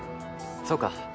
そうか。